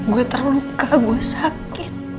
gue terluka gue sakit